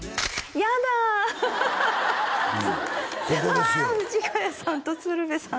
うわっ藤ヶ谷さんと鶴瓶さん